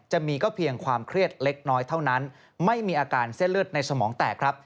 จะมีก็เพียงความเครียดเล็กน้อยเท่านั้นไม่มีอาการเส้นเลือดในสมองแตกครับ